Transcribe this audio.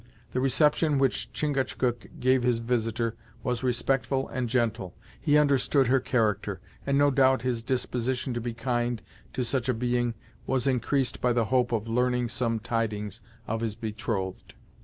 The reception which Chingachgook gave his visitor was respectful and gentle. He understood her character, and, no doubt, his disposition to be kind to such a being was increased by the hope of learning some tidings of his betrothed.